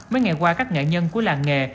mấy ngày qua các nghệ nhân của làng nghề